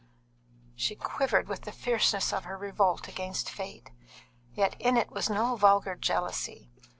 She quivered with the fierceness of her revolt against fate, yet in it was no vulgar jealousy.